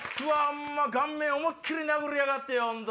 ホンマ顔面思いっ切り殴りやがってよ。